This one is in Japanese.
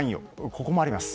ここもあります。